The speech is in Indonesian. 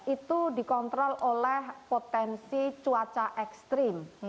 itu dikontrol oleh potensi cuaca ekstrim